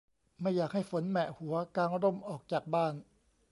ไม่อยากให้ฝนแหมะหัว กางร่มออกจากบ้าน